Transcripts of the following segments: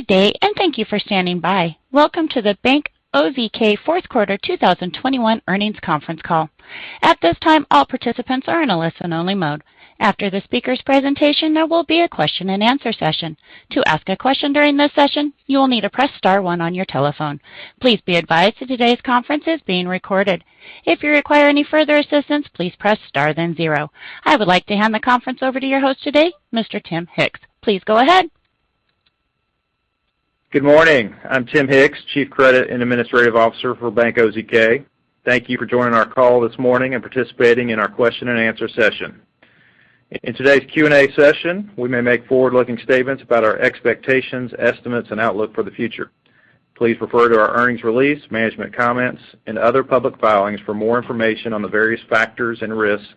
Good day, and thank you for standing by. Welcome to the Bank OZK Q4 2021 earnings conference call. At this time, all participants are in a listen-only mode. After the speaker's presentation, there will be a question-and-answer session. To ask a question during this session, you will need to press star 1 on your telephone. Please be advised that today's conference is being recorded. If you require any further assistance, please press star, then zero. I would like to hand the conference over to your host today, Mr. Tim Hicks. Please go ahead. Good morning. I'm Tim Hicks, Chief Credit and Administrative Officer for Bank OZK. Thank you for joining our call this morning and participating in our question-and-answer session. In today's Q&A session, we may make forward-looking statements about our expectations, estimates, and outlook for the future. Please refer to our earnings release, management comments, and other public filings for more information on the various factors and risks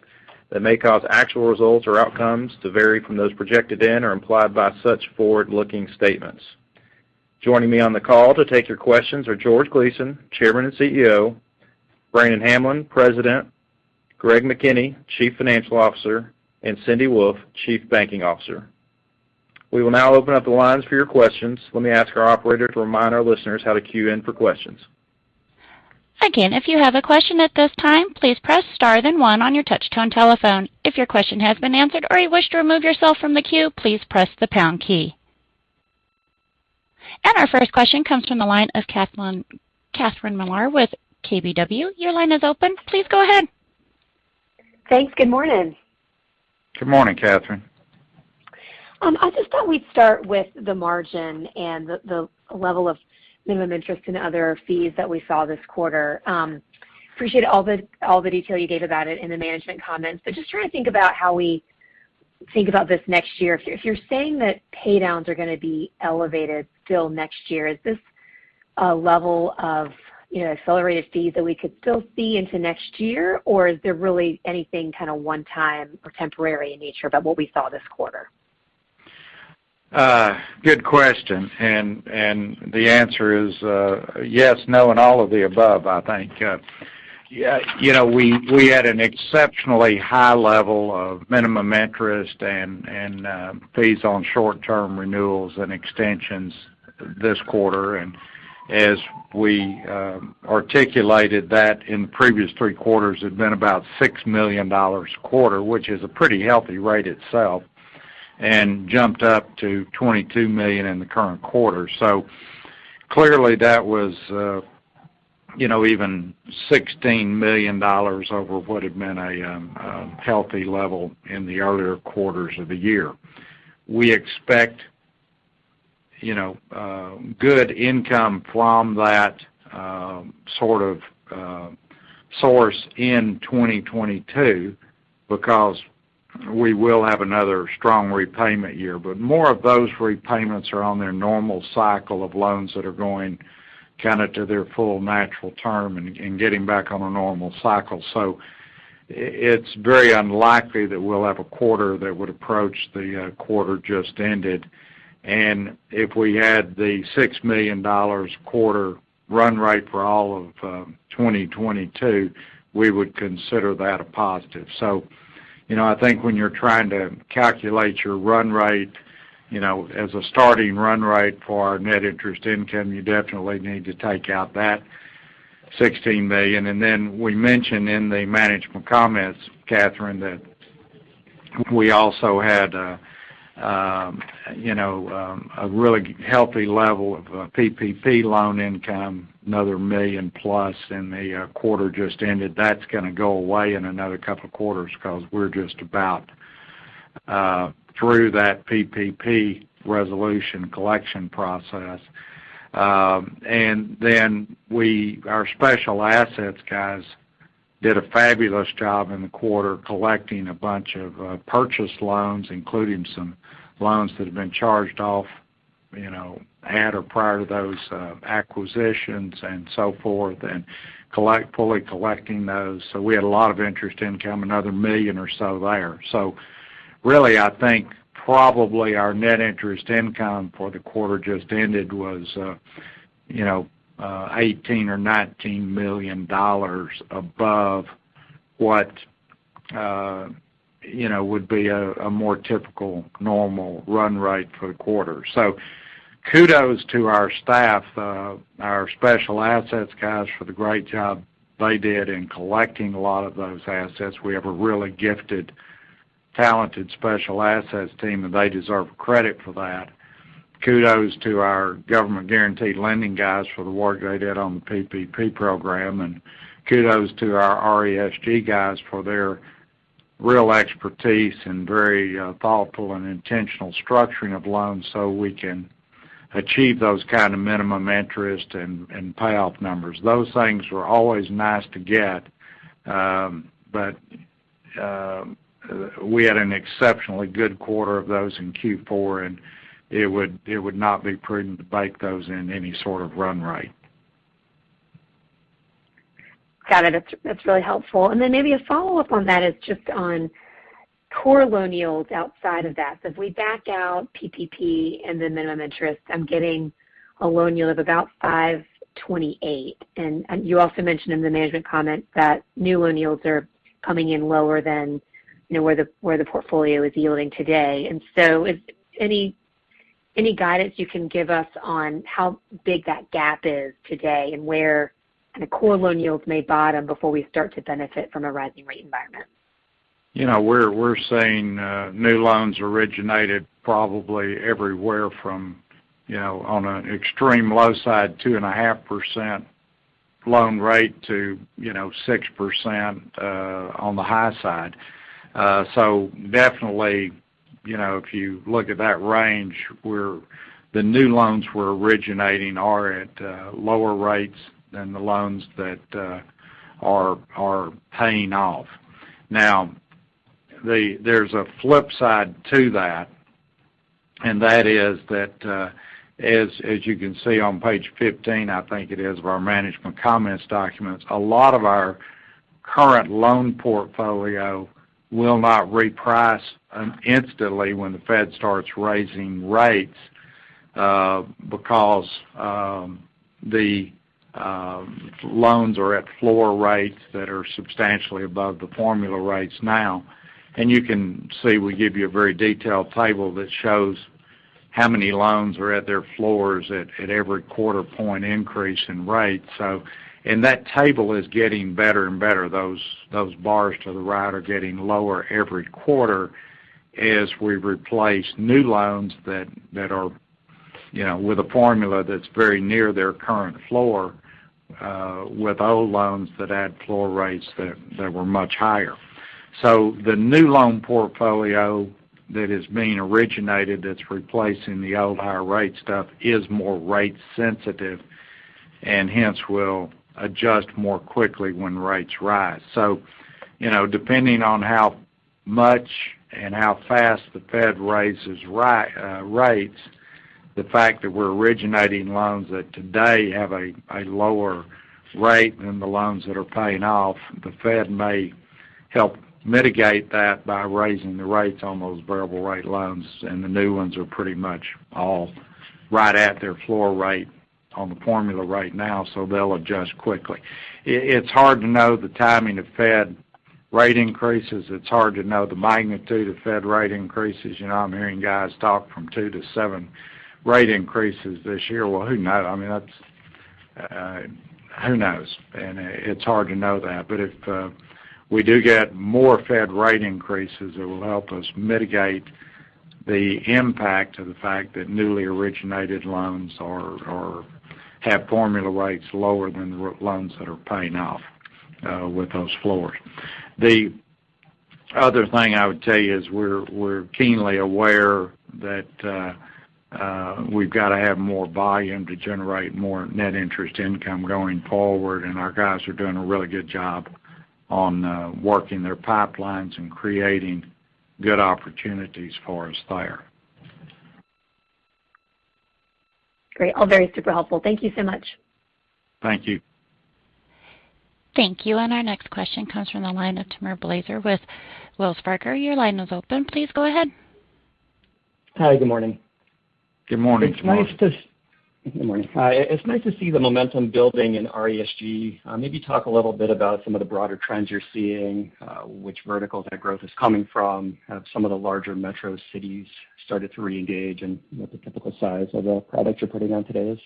that may cause actual results or outcomes to vary from those projected in or implied by such forward-looking statements. Joining me on the call to take your questions are George Gleason, Chairman and CEO, Brannon Hamblen, President, Greg McKinney, Chief Financial Officer, and Cindy Wolfe, Chief Banking Officer. We will now open up the lines for your questions. Let me ask our operator to remind our listeners how to queue in for questions. Our first question comes from the line of Catherine Mealor with KBW. Your line is open. Please go ahead. Thanks. Good morning. Good morning, Catherine. I just thought we'd start with the margin and the level of minimum interest and other fees that we saw this quarter. Appreciate all the detail you gave about it in the management comments, but just trying to think about how we think about this next year. If you're saying that paydowns are going to be elevated till next year, is this a level of, you know, accelerated fees that we could still see into next year? Or is there really anything kind one-time or temporary in nature about what we saw this quarter? Good question. The answer is yes, no, and all of the above, I think. You know, we had an exceptionally high level of minimum interest and fees on short-term renewals and extensions this quarter. As we articulated that in the previous 2, it had been about $6 million a quarter, which is a pretty healthy rate itself, and jumped up to $22 million in the current quarter. Clearly, that was you know, even $16 million over what had been a healthy level in the earlier quarters of the year. We expect good income from that sort of source in 2022, because we will have another strong repayment year. More of those repayments are on their normal cycle of loans that are going kind to their full natural term and getting back on a normal cycle. It's very unlikely that we'll have a quarter that would approach the quarter just ended. If we had the $6 million quarter run rate for all of 2022, we would consider that a positive. You know, I think when you're trying to calculate your run rate, you know, as a starting run rate for our net interest income, you definitely need to take out that $16 million. We mentioned in the management comments, Catherine, that we also had a really healthy level of PPP loan income, another $1 million-plus in the quarter just ended. That's going to go away in another couple of quarters because we're just about through that PPP resolution collection process. Our special assets guys did a fabulous job in the quarter collecting a bunch of purchase loans, including some loans that have been charged off, you know, at or prior to those acquisitions and so forth, and fully collecting those. So we had a lot of interest income, another $1 million or so there. Really, I think probably our net interest income for the quarter just ended was, you know, $18 million-$19 million above what, you know, would be a more typical normal run rate for the quarter. Kudos to our staff, our special assets guys for the great job they did in collecting a lot of those assets. We have a really gifted, talented special assets team, and they deserve credit for that. Kudos to our government-guaranteed lending guys for the work they did on the PPP program. Kudos to our RESG guys for their real expertise and very, thoughtful and intentional structuring of loans so we can achieve those kind of minimum interest and payoff numbers. Those things were always nice to get, but, we had an exceptionally good quarter of those in Q4, and it would not be prudent to bake those in any sort of run rate. Got it. That's really helpful. Maybe a follow-up on that is just on core loan yields outside of that. If we back out PPP and the minimum interest, I'm getting a loan yield of about 5.28%. You also mentioned in the management comment that new loan yields are coming in lower than, you know, where the portfolio is yielding today. Is any guidance you can give us on how big that gap is today and where the core loan yields may bottom before we start to benefit from a rising rate environment? You know, we're seeing new loans originated probably everywhere from, you know, on an extreme low side, 2.5% loan rate to, you know, 6% on the high side. Definitely, you know, if you look at that range where the new loans we're originating are at lower rates than the loans that are paying off. Now, there's a flip side to that, and that is that as you can see on page 15, I think it is, of our management comments documents, a lot of our current loan portfolio will not reprice instantly when the Fed starts raising rates because the loans are at floor rates that are substantially above the formula rates now. You can see, we give you a very detailed table that shows how many loans are at their floors at every quarter point increase in rates. That table is getting better and better. Those bars to the right are getting lower every quarter as we replace old loans that had floor rates that were much higher with new loans that are, you know, with a formula that's very near their current floor, with old loans that had floor rates that were much higher. The new loan portfolio that is being originated that's replacing the old higher rate stuff is more rate sensitive, and hence will adjust more quickly when rates rise. You know, depending on how much and how fast the Fed raises rates, the fact that we're originating loans that today have a lower rate than the loans that are paying off, the Fed may help mitigate that by raising the rates on those variable rate loans. The new ones are pretty much all right at their floor rate on the formula right now, so they'll adjust quickly. It's hard to know the timing of Fed rate increases. It's hard to know the magnitude of Fed rate increases. You know, I'm hearing guys talk from 2 to 7 rate increases this year. Well, who knows? I mean, who knows? It's hard to know that. If we do get more Fed rate increases, it will help us mitigate the impact of the fact that newly originated loans have formula rates lower than the r-loans that are paying off with those floors. The other thing I would tell you is we're keenly aware that we've got to have more volume to generate more net interest income going forward, and our guys are doing a really good job on working their pipelines and creating good opportunities for us there. Great. All very super helpful. Thank you so much. Thank you. Thank you. Our next question comes from the line of Timur Braziler with Wells Fargo. Your line is open. Please go ahead. Hi, good morning. Good morning, Timur. Good morning. Hi, it's nice to see the momentum building in RESG. Maybe talk a little bit about some of the broader trends you're seeing, which verticals that growth is coming from. Have some of the larger metro cities started to re-engage, and what the typical size of a product you're putting on today is?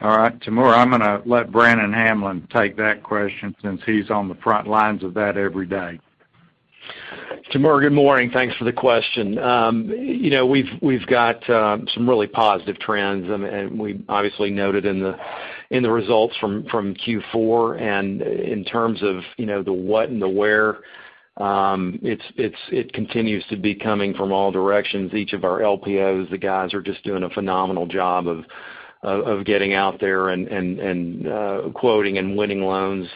All right. Timur, I'm going to let Brannon Hamblen take that question since he's on the front lines of that every day. Timur, good morning. Thanks for the question. You know, we've got some really positive trends, and we obviously noted in the results from Q4. In terms of, you know, the what and the where, it continues to be coming from all directions. Each of our LPOs, the guys are just doing a phenomenal job of getting out there and quoting and winning loans.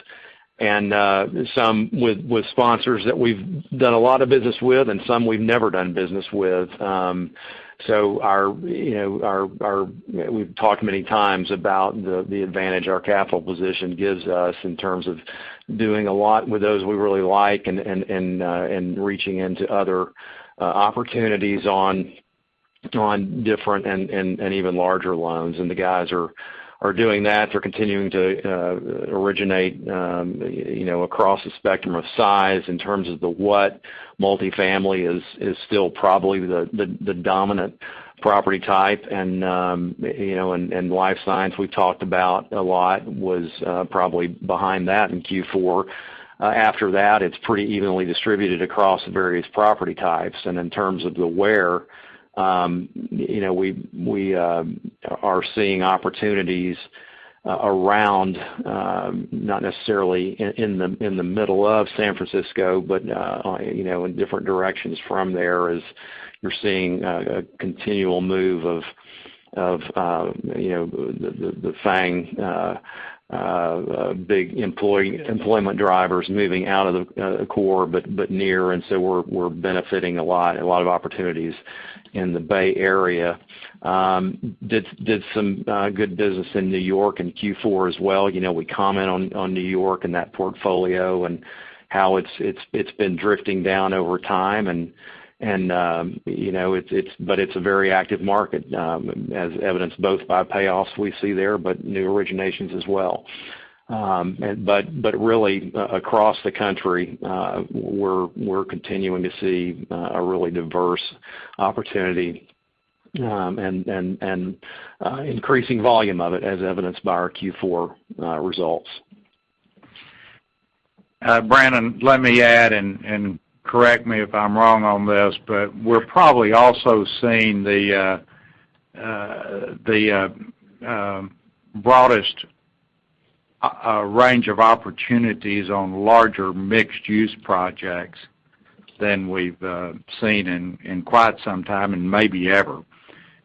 Some with sponsors that we've done a lot of business with and some we've never done business with. So, you know, we've talked many times about the advantage our capital position gives us in terms of doing a lot with those we really like and reaching into other opportunities on different and even larger loans. The guys are doing that. They're continuing to originate, you know, across a spectrum of size. In terms of what, multifamily is still probably the dominant property type. You know, and life science we've talked about a lot was probably behind that in Q4. After that, it's pretty evenly distributed across various property types. In terms of where, you know, we are seeing opportunities around, not necessarily in the middle of San Francisco, but, you know, in different directions from there as you're seeing a continual move of, you know, the FAANG big employment drivers moving out of the core but near. We're benefiting a lot of opportunities in the Bay Area. Did some good business in New York in Q4 as well. You know, we comment on New York and that portfolio and how it's been drifting down over time. You know, but it's a very active market, as evidenced both by payoffs we see there, but new originations as well. Really across the country, we're continuing to see a really diverse opportunity and increasing volume of it as evidenced by our Q4 results. Brannon, let me add, and correct me if I'm wrong on this, but we're probably also seeing the broadest range of opportunities on larger mixed-use projects than we've seen in quite some time, and maybe ever.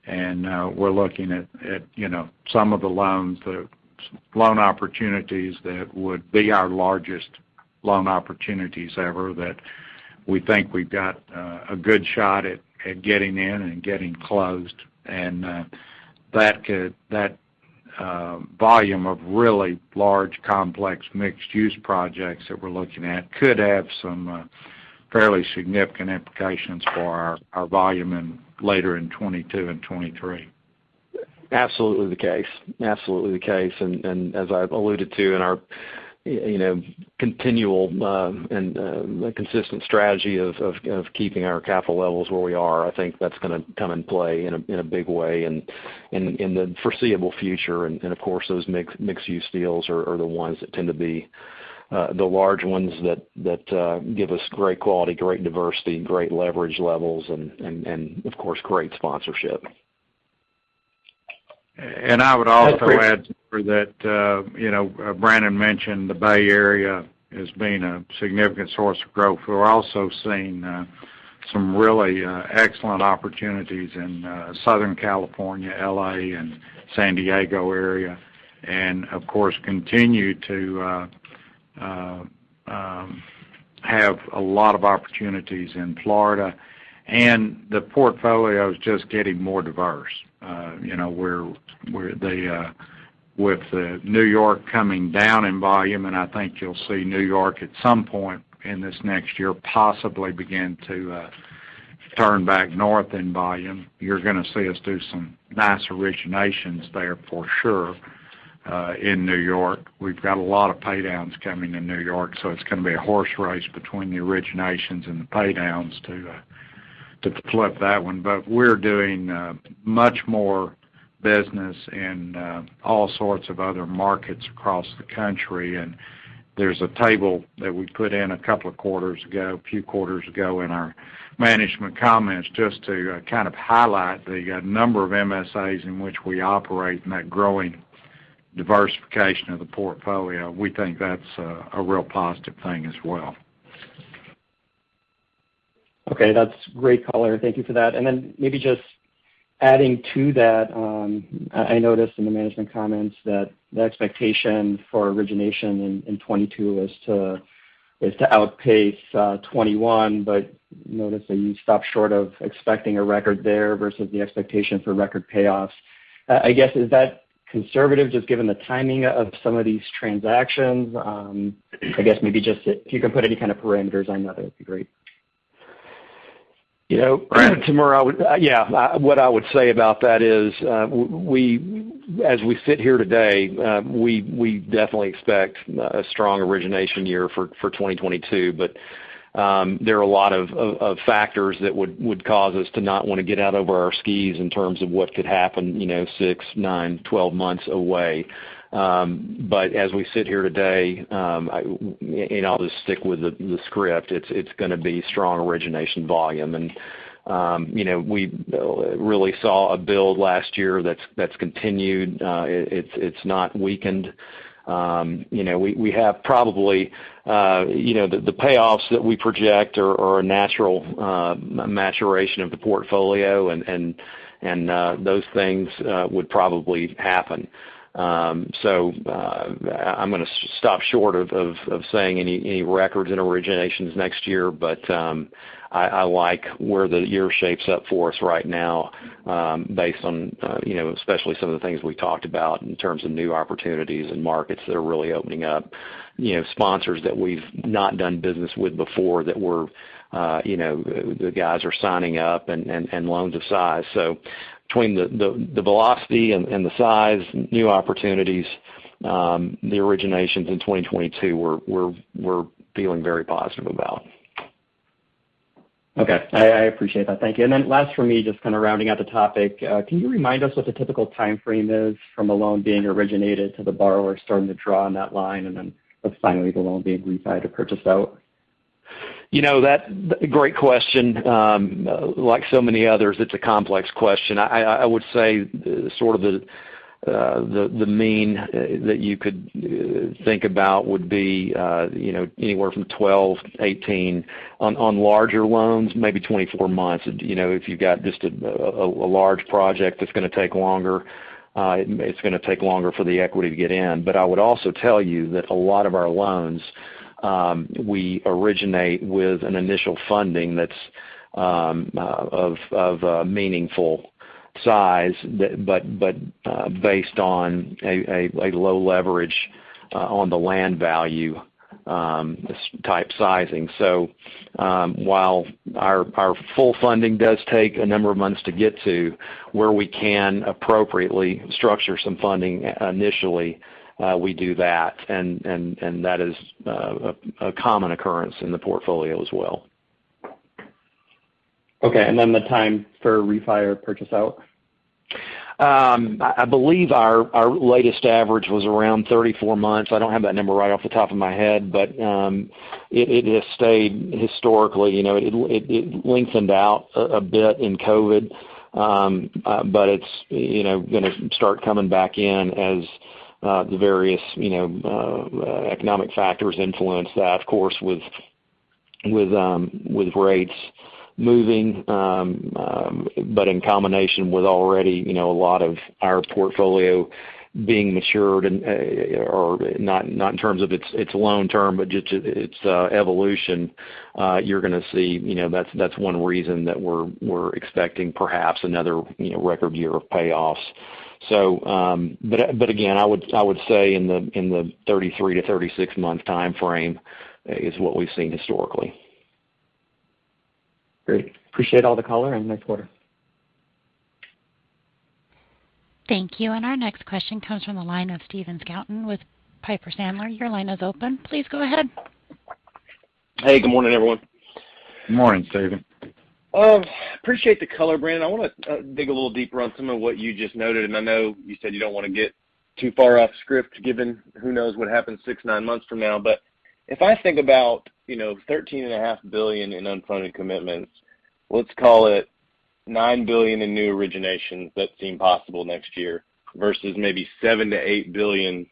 We're looking at, you know, some of the loans, the loan opportunities that would be our largest loan opportunities ever that we think we've got a good shot at getting in and getting closed. That volume of really large, complex, mixed-use projects that we're looking at could have some fairly significant implications for our volume in later in 2022 and 2023. Absolutely the case. As I've alluded to in our continual and consistent strategy of keeping our capital levels where we are, I think that's going to come in play in a big way in the foreseeable future. Of course, those mixed-use deals are the ones that tend to be the large ones that give us great quality, great diversity, great leverage levels and of course, great sponsorship. I would also add to that, you know, Brannon mentioned the Bay Area as being a significant source of growth. We're also seeing some really excellent opportunities in Southern California, L.A., and San Diego area. Of course, we continue to have a lot of opportunities in Florida. The portfolio is just getting more diverse. You know, we're there with New York coming down in volume, and I think you'll see New York at some point in this next year possibly begin to turn back north in volume. You're going to see us do some nice originations there for sure in New York. We've got a lot of paydowns coming in New York, so it's goinh to be a horse race between the originations and the paydowns to flip that 1. We're doing much more business in all sorts of other markets across the country. There's a table that we put in a few quarters ago in our management comments just to kind of highlight the number of MSAs in which we operate and that growing diversification of the portfolio. We think that's a real positive thing as well. Okay. That's great color. Thank you for that. Then maybe just adding to that, I noticed in the management comments that the expectation for origination in 2022 is to outpace 2021, but notice that you stopped short of expecting a record there versus the expectation for record payoffs. I guess, is that conservative just given the timing of some of these transactions? I guess maybe just if you can put any kind of parameters on that'd be great. You know, Timur, what I would say about that is, we, as we sit here today, we definitely expect a strong origination year for 2022. There are a lot of factors that would cause us to not wanna get out over our skis in terms of what could happen, you know, 6, 9, 12 months away. As we sit here today, I'll just stick with the script, it's going to be strong origination volume. You know, we really saw a build last year that's continued. It's not weakened. You know, we have probably, you know, the payoffs that we project are a natural maturation of the portfolio and those things would probably happen. I'm going to stop short of saying any records in originations next year. I like where the year shapes up for us right now, based on you know, especially some of the things we talked about in terms of new opportunities and markets that are really opening up. You know, sponsors that we've not done business with before that we're you know, the guys are signing up and loans of size. Between the velocity and the size, new opportunities, the originations in 2022, we're feeling very positive about. Okay. I appreciate that. Thank you. Last for me, just kind of rounding out the topic. Can you remind us what the typical timeframe is from a loan being originated to the borrower starting to draw on that line, and then finally the loan being repaid or purchased out? Great question. Like so many others, it's a complex question. I would say sort of the mean that you could think about would be, you know, anywhere from 12 to 18. On larger loans, maybe 24 months. You know, if you've got just a large project that's going to take longer, it's going totake longer for the equity to get in. I would also tell you that a lot of our loans, we originate with an initial funding that's of a meaningful size but based on a low leverage on the land value. This type sizing. While our full funding does take a number of months to get to where we can appropriately structure some funding initially, we do that, and that is a common occurrence in the portfolio as well. Okay. The time for refi or purchase out? I believe our latest average was around 34 months. I don't have that number right off the top of my head, but it has stayed historically. You know, it lengthened out a bit in COVID, but it's, you know, going to start coming back in as the various, you know, economic factors influence that, of course, with with rates moving, but in combination with already, you know, a lot of our portfolio being matured and or not in terms of its loan term, but just, its evolution, you're going to see, you know, that's 1 reason that we're expecting perhaps another, you know, record year of payoffs. I would say in the 33 to 36 month time frame is what we've seen historically. Great. Appreciate all the color and next quarter. Thank you. Our next question comes from the line of Stephen Scouten with Piper Sandler. Your line is open. Please go ahead. Hey, good morning, everyone. Morning, Stephen. Appreciate the color, Brannon. I wanna dig a little deeper on some of what you just noted, and I know you said you don't wanna get too far off script, given who knows what happens 6, 9 months from now. If I think about, you know, $13.5 billion in unfunded commitments, let's call it $9 billion in new originations that seem possible next year versus maybe $7 billion-$8 billion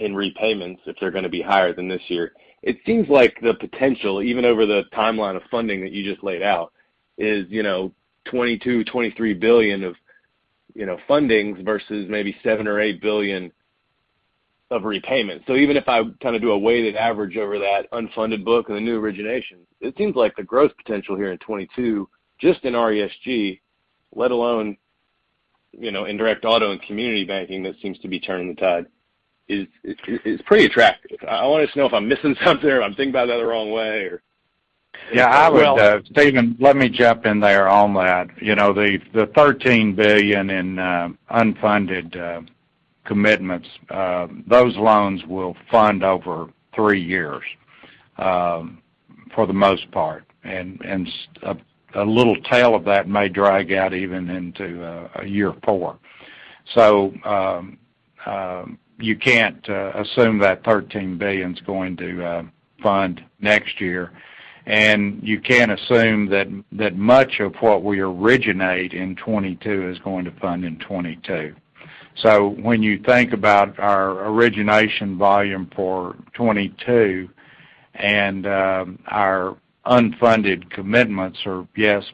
in repayments that are going to be higher than this year, it seems like the potential, even over the timeline of funding that you just laid out is, you know, $22 billion-$23 billion of, you know, fundings versus maybe $7 billion or $8 billion of repayments. Even if I kind of do a weighted average over that unfunded book and the new originations, it seems like the growth potential here in 2022, just in RESG, let alone, you know, indirect auto and community banking that seems to be turning the tide, is pretty attractive. I wanted to know if I'm missing something or I'm thinking about that the wrong way or. Yeah, I would, Stephen, let me jump in there on that. You know, the $13 billion in unfunded commitments, those loans will fund over 3 years, for the most part. A little tail of that may drag out even into a year four. You can't assume that $13 billion's going to fund next year, and you can't assume that much of what we originate in 2022 is going to fund in 2022. When you think about our origination volume for 2022 and our unfunded commitments, yes,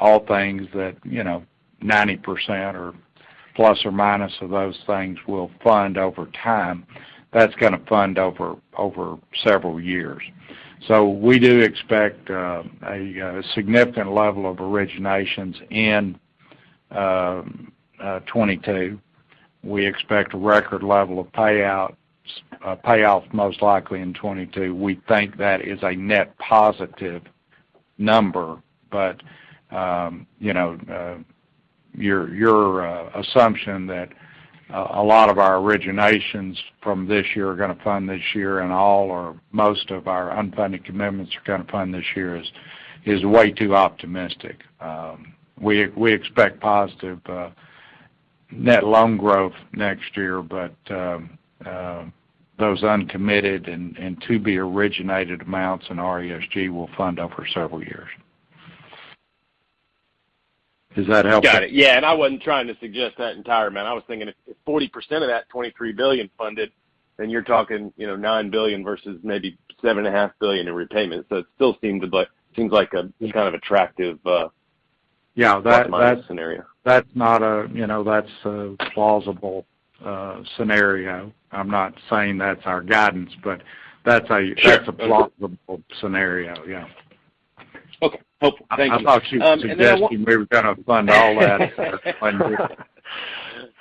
all things that, you know, 90% or plus or minus of those things will fund over time, that's going to fund over several years. We do expect a significant level of originations in 2022. We expect a record level of payouts, payoffs most likely in 2022. We think that is a net positive number. You know, your assumption that a lot of our originations from this year are going tkfund this year and all or most of our unfunded commitments are goingrto fund this year is way too optimistic. We expect positive net loan growth next year, but those uncommitted and to be originated amounts in RESG will fund over several years. Does that help? Got it. Yeah. I wasn't trying to suggest that entire amount. I was thinking if 40% of that $23 billion funded, then you're talking, you know, $9 billion versus maybe $7.5 billion in repayments. It still seems like a kind of attractive, Yeah. plus minus scenario. You know, that's a plausible scenario. I'm not saying that's our guidance. Sure. That's a plausible scenario, yeah. Okay. Hopeful. Thank you. I thought you were suggesting we were going tj fund all that.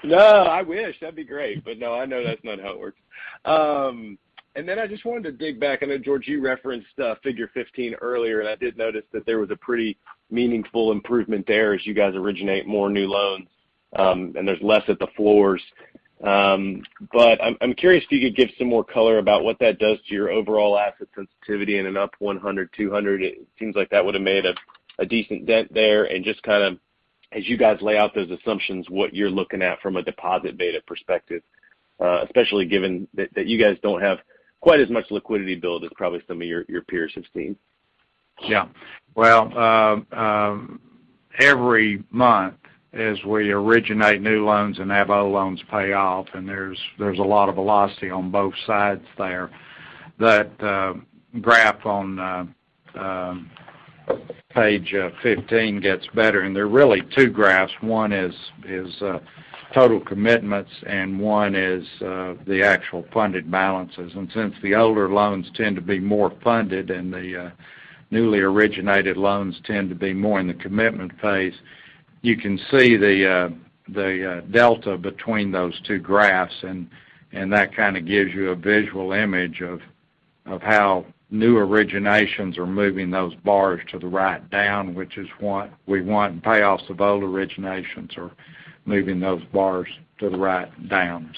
No, I wish, that'd be great. No, I know that's not how it works. I just wanted to dig back. I know, George, you referenced figure 15 earlier, and I did notice that there was a pretty meaningful improvement there as you guys originate more new loans, and there's less at the floors. I'm curious if you could give some more color about what that does to your overall asset sensitivity in an up 100, 200. It seems like that would have made a decent dent there and just kind of as you guys lay out those assumptions, what you're looking at from a deposit beta perspective, especially given that you guys don't have quite as much liquidity build as probably some of your peers have seen. Yeah. Well, every month as we originate new loans and have old loans pay off, and there's a lot of velocity on both sides there, that graph on page 15 gets better. They're really 2 graphs. 1 is total commitments, and 1 is the actual funded balances. Since the older loans tend to be more funded and the newly originated loans tend to be more in the commitment phase, you can see the delta between those 2 graphs, and that kind of gives you a visual image of how new originations are moving those bars to the right down, which is what we want, and payoffs of old originations are moving those bars to the right down.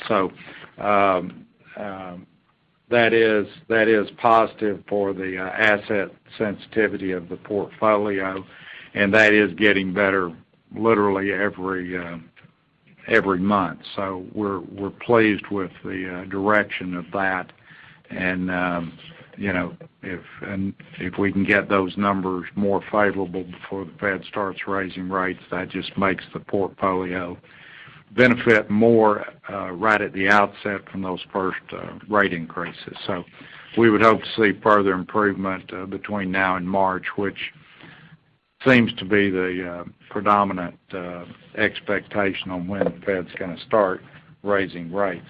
That is positive for the asset sensitivity of the portfolio, and that is getting better literally every month. We're pleased with the direction of that. You know, if we can get those numbers more favorable before the Fed starts raising rates, that just makes the portfolio benefit more right at the outset from those 1st rate increases. We would hope to see further improvement between now and March, which seems to be the predominant expectation on when the Fed's going to start raising rates.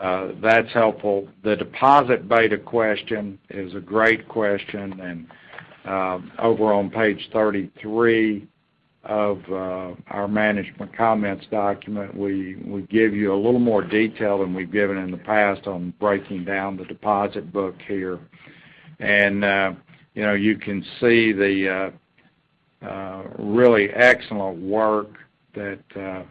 That's helpful. The deposit beta question is a great question, and over on page 33 of our management comments document, we give you a little more detail than we've given in the past on breaking down the deposit book here. You know, you can see the really excellent work that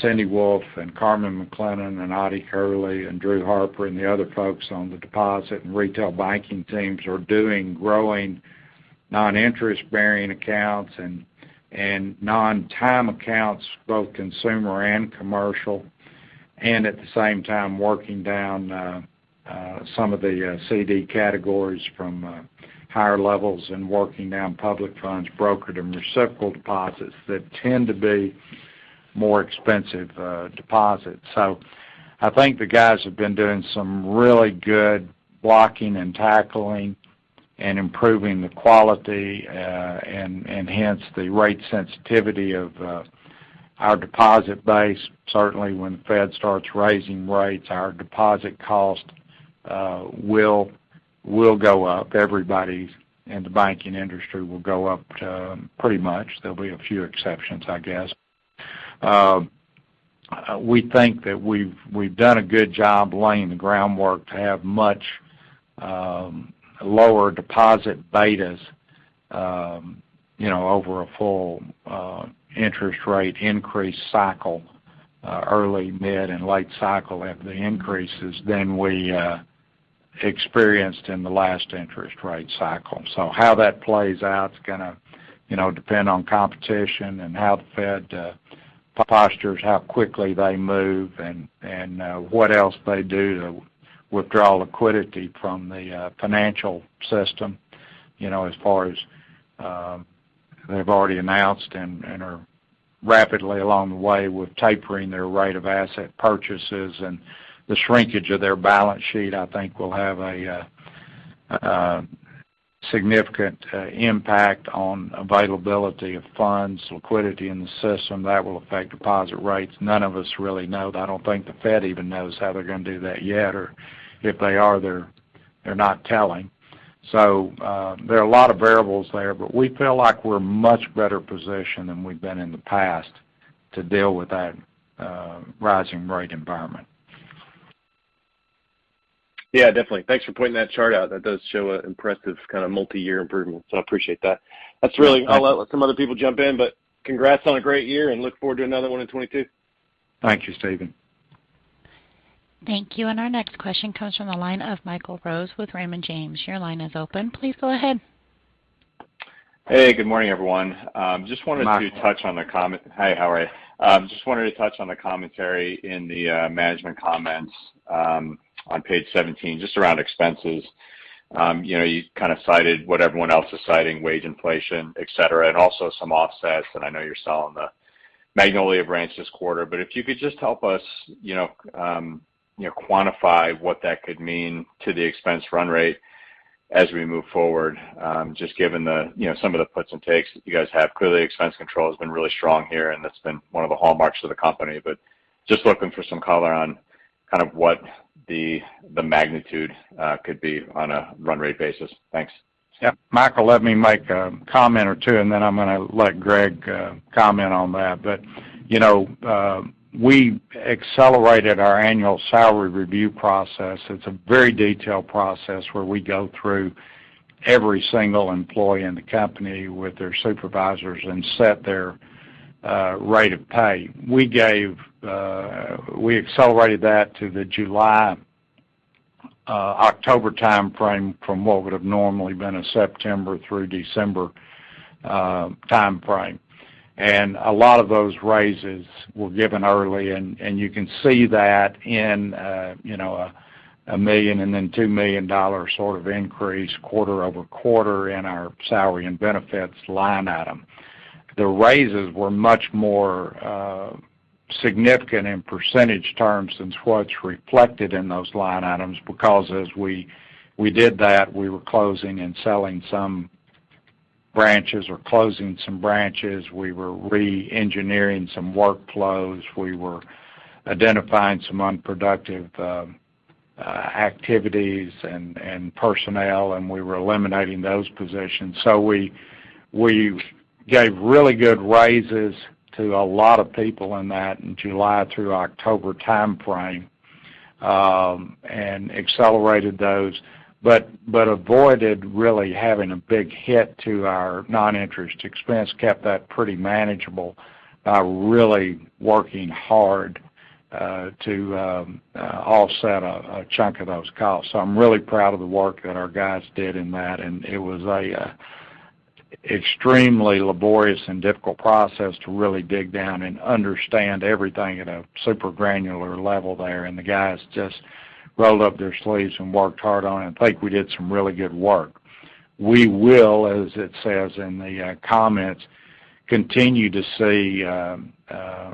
Cindy Wolfe and Carmen McClennon and Audie Hurley and Drew Harper and the other folks on the deposit and retail banking teams are doing, growing non-interest-bearing accounts and non-time accounts, both consumer and commercial. At the same time, working down some of the CD categories from higher levels and working down public funds, brokered and reciprocal deposits that tend to be more expensive deposits. I think the guys have been doing some really good blocking and tackling and improving the quality and hence the rate sensitivity of our deposit base. Certainly, when the Fed starts raising rates, our deposit cost will go up. Everybody's in the banking industry will go up pretty much. There'll be a few exceptions, I guess. We think that we've done a good job laying the groundwork to have much lower deposit betas, you know, over a full interest rate increase cycle, early, mid, and late cycle at the increases than we experienced in the last interest rate cycle. How that plays out, it's going to, you know, depend on competition and how the Fed postures, how quickly they move and what else they do to withdraw liquidity from the financial system. You know, as far as they've already announced and are rapidly along the way with tapering their rate of asset purchases and the shrinkage of their balance sheet, I think will have a significant impact on availability of funds, liquidity in the system that will affect deposit rates. None of us really know. I don't think the Fed even knows how they're going to do that yet, or if they are, they're not telling. There are a lot of variables there, but we feel like we're much better positioned than we've been in the past to deal with that, rising rate environment. Yeah, definitely. Thanks for pointing that chart out. That does show an impressive kind of multi-year improvement, so I appreciate that. That's really, I'll let some other people jump in, but congrats on a great year and look forward to another one in 2022. Thank you, Stephen. Thank you. Our next question comes from the line of Michael Rose with Raymond James. Your line is open. Please go ahead. Hey, good morning, everyone. Just wanted to Michael. Hi, how are you? Just wanted to touch on the commentary in the management comments on page 17, just around expenses. You know, you kind of cited what everyone else is citing, wage inflation, et cetera, and also some offsets, and I know you're selling the Magnolia branch this quarter. If you could just help us, you know, quantify what that could mean to the expense run rate as we move forward, just given the, you know, some of the puts and takes that you guys have. Clearly, expense control has been really strong here, and that's been one of the hallmarks of the company. Just looking for some color on kind of what the magnitude could be on a run rate basis. Thanks. Yeah. Michael, let me make a comment or 2, and then I'm going to let Greg comment on that. You know, we accelerated our annual salary review process. It's a very detailed process where we go through every single employee in the company with their supervisors and set their rate of pay. We accelerated that to the July October timeframe from what would have normally been a September through December timeframe. A lot of those raises were given early, and you can see that in, you know, a $1 million and then $2 million sort of increase quarter-over-quarter in our salary and benefits line item. The raises were much more significant in percentage terms than what's reflected in those line items because as we did that, we were closing and selling some branches or closing some branches. We were re-engineering some workflows. We were identifying some unproductive activities and personnel, and we were eliminating those positions. We gave really good raises to a lot of people in July through October time frame, and accelerated those, but avoided really having a big hit to our non-interest expense, kept that pretty manageable by really working hard to offset a chunk of those costs. I'm really proud of the work that our guys did in that, and it was a extremely laborious and difficult process to really dig down and understand everything at a super granular level there, and the guys just rolled up their sleeves and worked hard on it. I think we did some really good work. We will, as it says in the comments, continue to see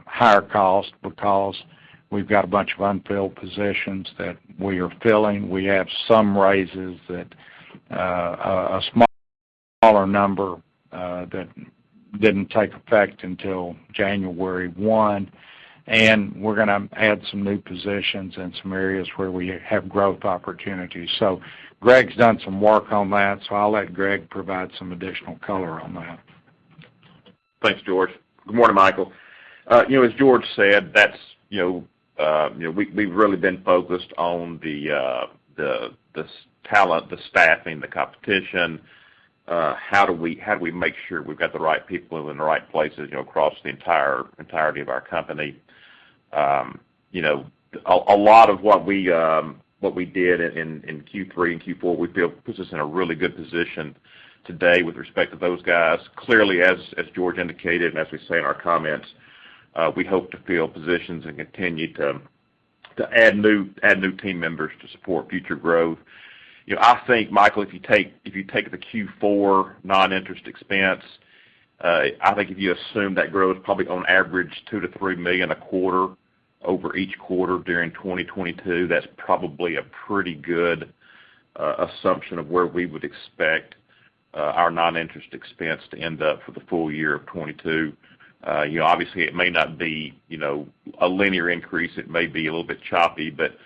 higher costs because we've got a bunch of unfilled positions that we are filling. We have some raises that a smaller number that didn't take effect until January 1, and we're going to add some new positions in some areas where we have growth opportunities. Greg's done some work on that, so I'll let Greg provide some additional color on that. Thanks, George. Good morning, Michael. You know, as George said, that's, you know, you know, we've really been focused on the talent, the staffing, the competition, how do we make sure we've got the right people in the right places, you know, across the entire of our company. You know, a lot of what we what we did in Q3 and Q4, we feel puts us in a really good position today with respect to those guys. Clearly, as George indicated, and as we say in our comments, we hope to fill positions and continue to add new team members to support future growth. You know, I think, Michael, if you take the Q4 non-interest expense, I think if you assume that grows probably on average $2 million-$3 million a quarter over each quarter during 2022, that's probably a pretty good assumption of where we would expect our non-interest expense to end up for the full year of 2022. You know, obviously, it may not be, you know, a linear increase. It may be a little bit choppy, but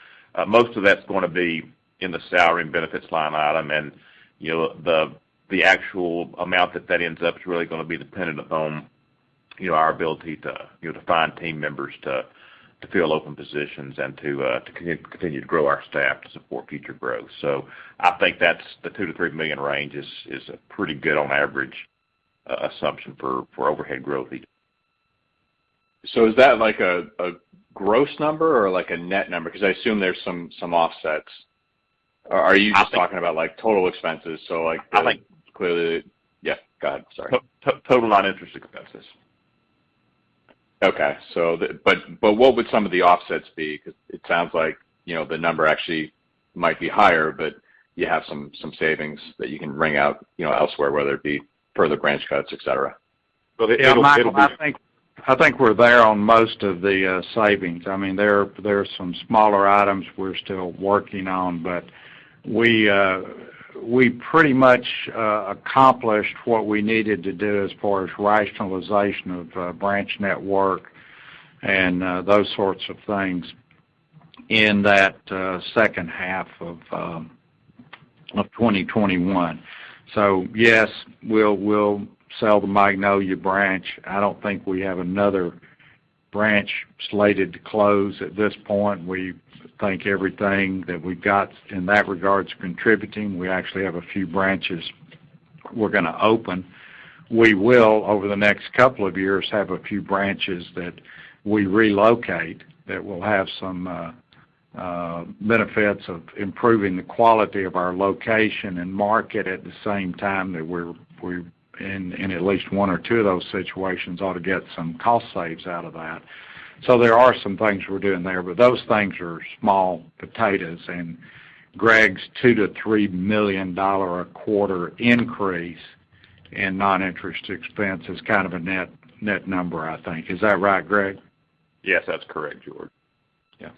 most of that's going to be in the salary and benefits line item. You know, the actual amount that ends up is really going to be dependent upon, you know, our ability to, you know, to find team members to fill open positions and to continue to grow our staff to support future growth. I think that's the $2 million-$3 million range is a pretty good on average assumption for overhead growth. Is that like a gross number or like a net number? Because I assume there's some offsets. Or are you just talking about like total expenses? I think. Yeah, go ahead. Sorry. Total non-interest expenses. Okay. But what would some of the offsets be? Because it sounds like, you know, the number actually might be higher, but you have some savings that you can wring out, you know, elsewhere, whether it be further branch cuts, et cetera. Well, it'll be Yeah, Michael, I think we're there on most of the savings. I mean, there are some smaller items we're still working on, but we pretty much accomplished what we needed to do as far as rationalization of branch network and those sorts of things in that H2 of 2021. Yes, we'll sell the Magnolia branch. I don't think we have another branch slated to close at this point. We think everything that we've got in that regard's contributing. We actually have a few branches we're going to open. We will, over the next couple of years, have a few branches that we relocate that will have some benefits of improving the quality of our location and market at the same time that we're in at least 1 or 2 of those situations ought to get some cost savings out of that. There are some things we're doing there, but those things are small potatoes, and Greg's $2 million-$3 million a quarter increase in noninterest expense is kind of a net number, I think. Is that right, Greg? Yes, that's correct, George. Yeah.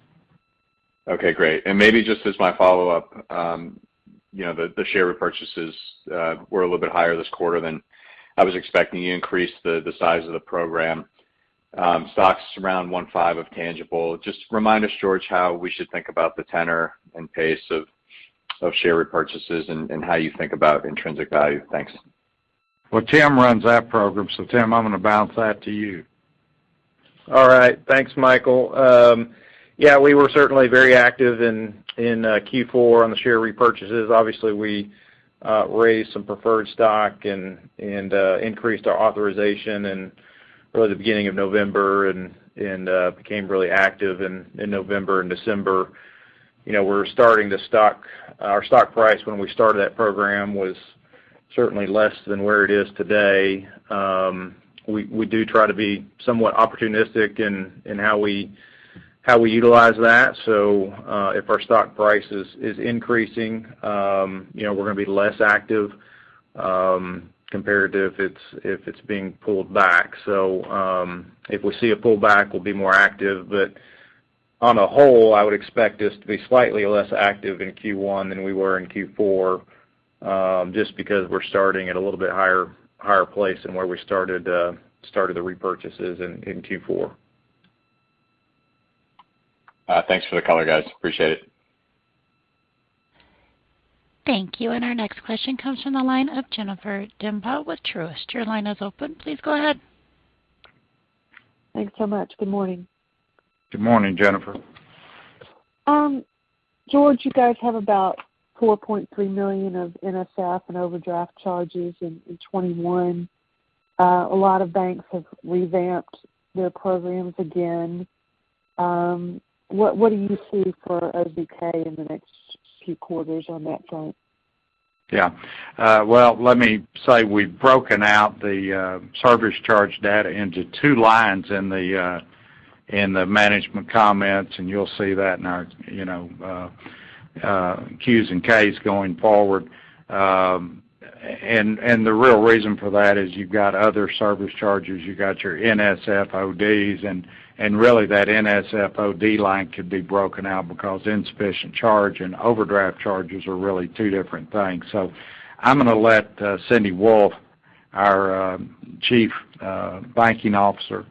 Okay, great. Maybe just as my follow-up, the share repurchases were a little bit higher this quarter than I was expecting. You increased the size of the program. Stock's around 1.5 of tangible. Just remind us, George, how we should think about the tenor and pace of share repurchases and how you think about intrinsic value. Thanks. Well, Tim runs that program, so Tim, I'm going to bounce that to you. All right. Thanks, Michael. Yeah, we were certainly very active in Q4 on the share repurchases. Obviously, we raised some preferred stock and increased our authorization in early the beginning of November and became really active in November and December. You know, our stock price when we started that program was certainly less than where it is today. We do try to be somewhat opportunistic in how we utilize that. If our stock price is increasing, you know, we're going to be less active compared to if it's being pulled back. If we see a pullback, we'll be more active. On the whole, I would expect us to be slightly less active in Q1 than we were in Q4. Just because we're starting at a little bit higher place than where we started the repurchases in Q4. Thanks for the color, guys. Appreciate it. Thank you. Our next question comes from the line of Jennifer Demba with Truist. Your line is open. Please go ahead. Thanks so much. Good morning. Good morning, Jennifer. George, you guys have about $4.3 million of NSF and overdraft charges in 2021. A lot of banks have revamped their programs again. What do you see for OZK in the next few quarters on that front? Well, let me say we've broken out the service charge data into 2 lines in the management comments, and you'll see that in our, you know, Qs and Ks going forward. The real reason for that is you've got other service charges, you've got your NSF ODs, and really that NSF OD line could be broken out because NSF charge and overdraft charges are really 2 different things. I'm going to let Cindy Wolfe, our Chief Banking Officer,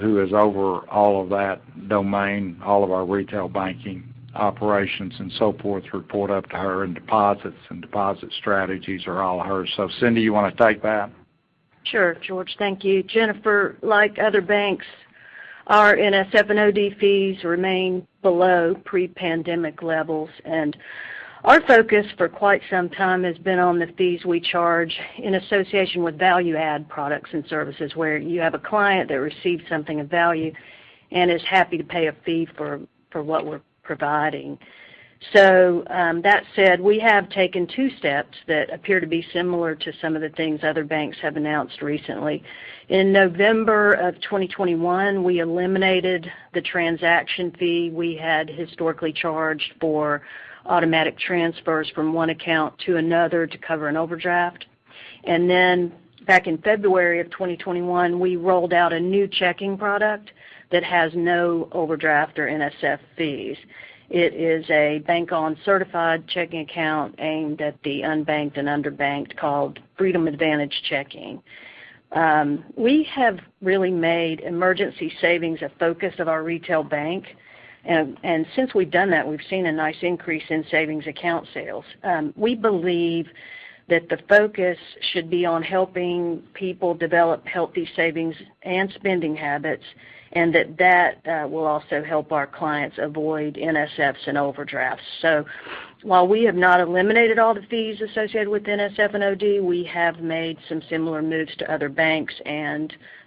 who is over all of that domain, all of our retail banking operations and so forth, report up to her, and deposits and deposit strategies are all hers. Cindy, you want to take that? Sure, George. Thank you. Jennifer, like other banks, our NSF and OD fees remain below pre-pandemic levels, and our focus for quite some time has been on the fees we charge in association with value-add products and services, where you have a client that receives something of value and is happy to pay a fee for what we're providing. So, that said, we have taken 2 steps that appear to be similar to some of the things other banks have announced recently. In November of 2021, we eliminated the transaction fee we had historically charged for automatic transfers from one account to another to cover an overdraft. Back in February of 2021, we rolled out a new checking product that has no overdraft or NSF fees. It is a Bank On certified checking account aimed at the unbanked and underbanked called Freedom Advantage Checking. We have really made emergency savings a focus of our retail bank. Since we've done that, we've seen a nice increase in savings account sales. We believe that the focus should be on helping people develop healthy savings and spending habits, and that will also help our clients avoid NSFs and overdrafts. While we have not eliminated all the fees associated with NSF and OD, we have made some similar moves to other banks.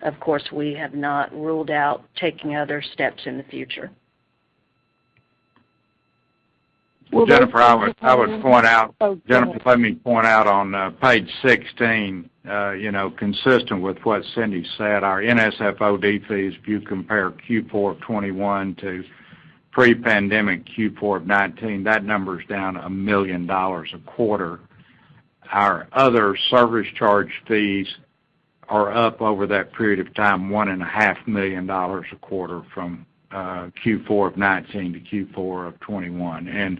Of course, we have not ruled out taking other steps in the future. Well, Jennifer, let me point out on page 16, you know, consistent with what Cindy said, our NSF OD fees, if you compare Q4 2021 to pre-pandemic Q4 of 2019, that number's down $1 million a quarter. Our other service charge fees are up over that period of time, $1.5 million a quarter from Q4 of 2019 to Q4 of 2021.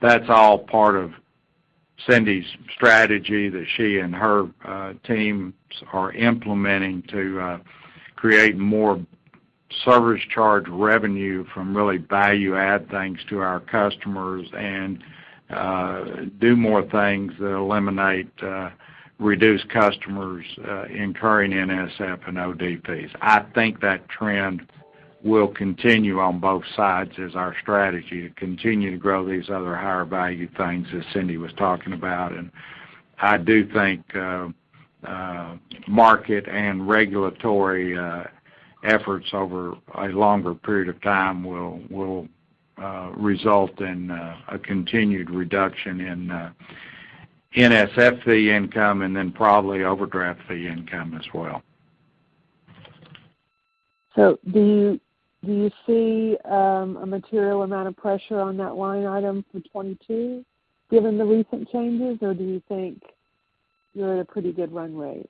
That's all part of Cindy's strategy that she and her teams are implementing to create more service charge revenue from really value add things to our customers and do more things that reduce customers incurring NSF and OD fees. I think that trend will continue on both sides as our strategy to continue to grow these other higher value things as Cindy was talking about. I do think market and regulatory efforts over a longer period of time will result in a continued reduction in NSF fee income, and then probably overdraft fee income as well. Do you see a material amount of pressure on that line item for 2022 given the recent changes, or do you think you're at a pretty good run rate?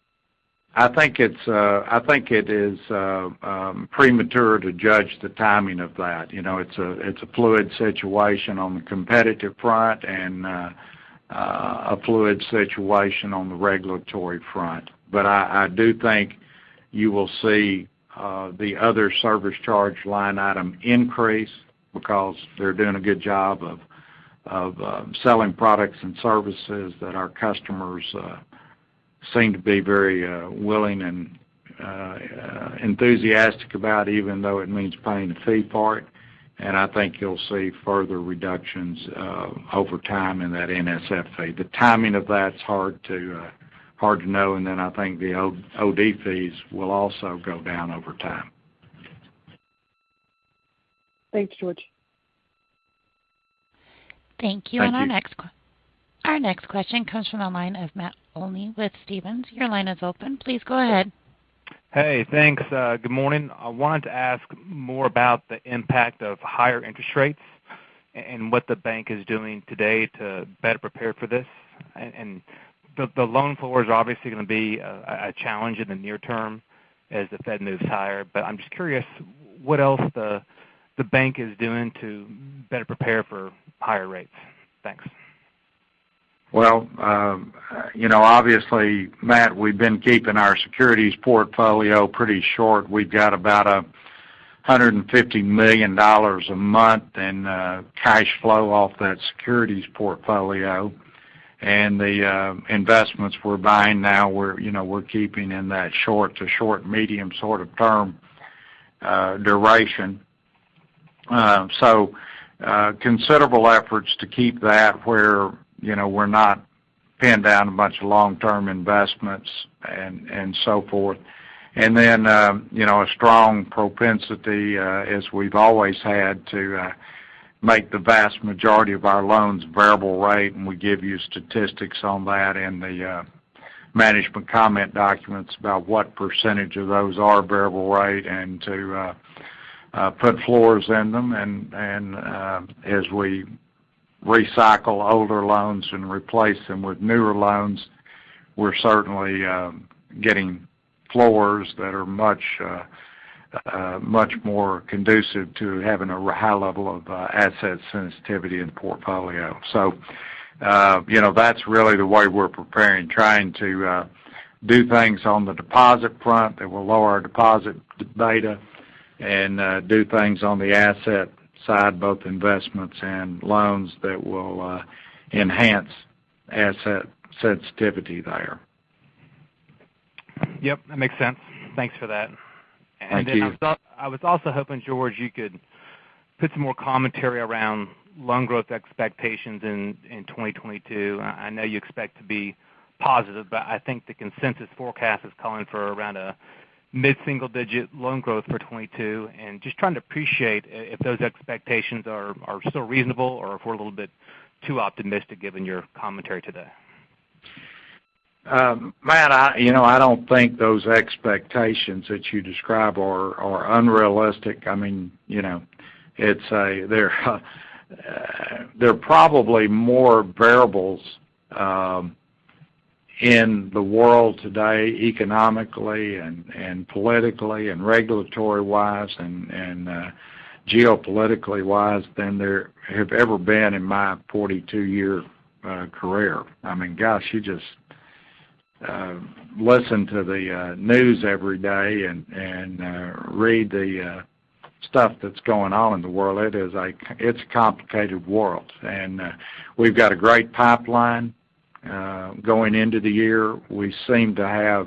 I think it is premature to judge the timing of that. You know, it's a fluid situation on the competitive front and a fluid situation on the regulatory front. But I do think you will see the other service charge line item increase because they're doing a good job of selling products and services that our customers seem to be very willing and enthusiastic about, even though it means paying a fee for it. I think you'll see further reductions over time in that NSF fee. The timing of that's hard to know. Then I think the OD fees will also go down over time. Thanks, George. Thank you. Thank you. Our next question comes from the line of Matt Olney with Stephens. Your line is open. Please go ahead. Hey, thanks. Good morning. I wanted to ask more about the impact of higher interest rates and what the bank is doing today to better prepare for this. The loan forward's obviously going to be a challenge in the near term as the Fed moves higher. I'm just curious what else the bank is doing to better prepare for higher rates. Thanks. Well, you know, obviously, Matt, we've been keeping our securities portfolio pretty short. We've got about $150 million a month in cash flow off that securities portfolio. The investments we're buying now, you know, we're keeping in that short to short medium sort of term duration. Considerable efforts to keep that where, you know, we're not pinned down a bunch of long-term investments and so forth. You know, a strong propensity as we've always had to make the vast majority of our loans variable rate, and we give you statistics on that in the management comment documents about what percentage of those are variable rate and to put floors in them. As we recycle older loans and replace them with newer loans, we're certainly getting floors that are much more conducive to having a high level of asset sensitivity in the portfolio. You know, that's really the way we're preparing, trying to do things on the deposit front that will lower our deposit beta and do things on the asset side, both investments and loans that will enhance asset sensitivity there. Yep, that makes sense. Thanks for that. Thank you. Then I was also hoping, George, you could put some more commentary around loan growth expectations in 2022. I know you expect to be positive, but I think the consensus forecast is calling for around a mid-single digit loan growth for 2022. Just trying to appreciate if those expectations are still reasonable or if we're a little bit too optimistic given your commentary today. Matt, you know, I don't think those expectations that you describe are unrealistic. I mean, you know, they're probably more variables in the world today, economically and politically and regulatory-wise and geopolitically-wise than there have ever been in my 42-year career. I mean, gosh, you just listen to the news every day and read the stuff that's going on in the world. It's a complicated world. We've got a great pipeline going into the year. We seem to have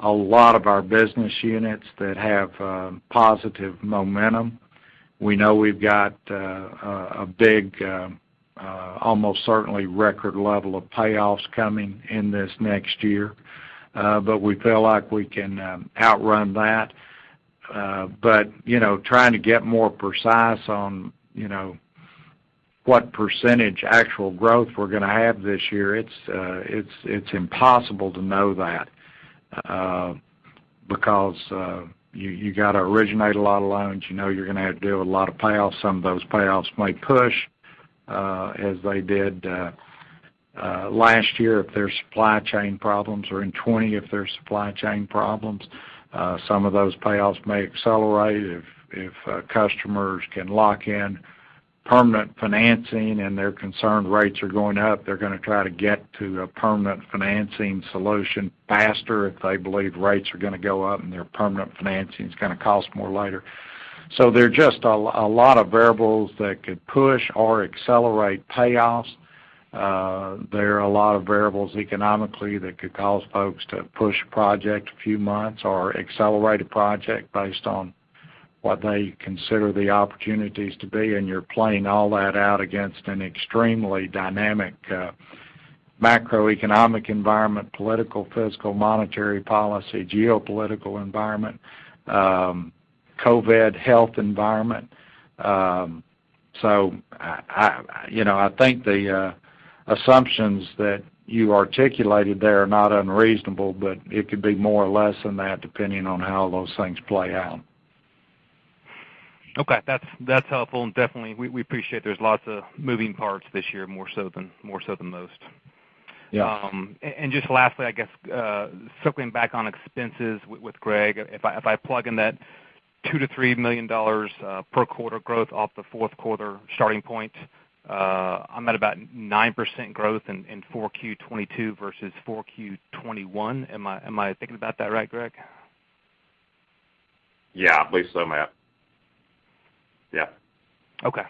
a lot of our business units that have positive momentum. We know we've got a big, almost certainly record level of payoffs coming in this next year. We feel like we can outrun that. You know, trying to get more precise on, you know, what percentage actual growth we're going to have this year, it's impossible to know that, because you got to originate a lot of loans. You know you're going to have to deal with a lot of payoffs. Some of those payoffs may push, as they did last year if there's supply chain problems or in 2020 if there's supply chain problems. Some of those payoffs may accelerate if customers can lock in permanent financing and they're concerned rates are going up. They're going to try to get to a permanent financing solution faster if they believe rates are going to go up and their permanent financing is going to cost more later. There are just a lot of variables that could push or accelerate payoffs. There are a lot of variables economically that could cause folks to push a project a few months or accelerate a project based on what they consider the opportunities to be. You're playing all that out against an extremely dynamic macroeconomic environment, political, fiscal, monetary policy, geopolitical environment, COVID health environment. I, you know, I think the assumptions that you articulated there are not unreasonable, but it could be more or less than that, depending on how those things play out. Okay. That's helpful. Definitely we appreciate there's lots of moving parts this year, more so than most. Yeah. Just lastly, I guess, circling back on expenses with Greg. If I plug in that $2 million-$3 million per quarter growth off the fourth quarter starting point, I'm at about 9% growth in 4Q 2022 versus 4Q 2021. Am I thinking about that right, Greg? Yeah. At least so, Matt. Yeah. Okay.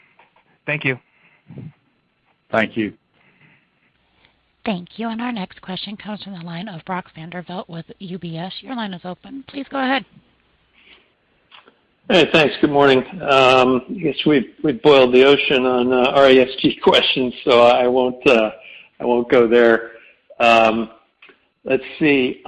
Thank you. Thank you. Thank you. Our next question comes from the line of Brock Vandervliet with UBS. Your line is open. Please go ahead. Hey, thanks. Good morning. I guess we've boiled the ocean on RESG questions, so I won't go there. Let's see.